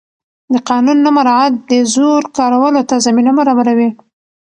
د قانون نه مراعت د زور کارولو ته زمینه برابروي